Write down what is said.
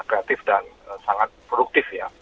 kreatif dan sangat produktif ya